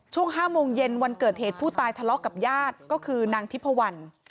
ช่วง๕โมงเย็นวันเกิดเหตุผู้ตายทะเลาะกับญาติก็คือนางทิพวัน